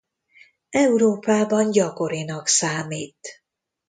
Európában gyakorinak számít.